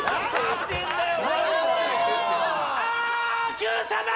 『Ｑさま！！』！